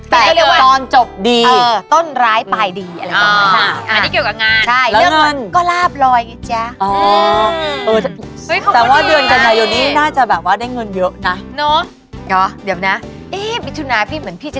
แต่ตอนจบต้นร้ายปลายดีอะไรอย่างนี้